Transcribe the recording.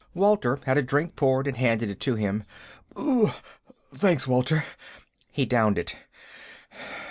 Walter had a drink poured and handed it to him. "Uggh! Thanks, Walter." He downed it.